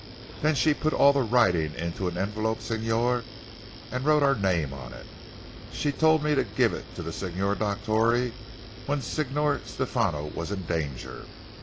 Then she put all the writing into an envelope Signor, and wrote our name on it. She told me to give it to the Signor Dottore when Signor Stefano was in danger.